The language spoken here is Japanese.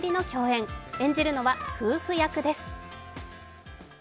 演じるのは夫婦役です。